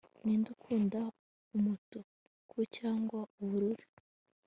ninde ukunda, umutuku cyangwa ubururu